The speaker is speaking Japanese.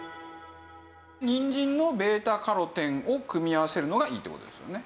にんじんのβ−カロテンを組み合わせるのがいいって事ですよね？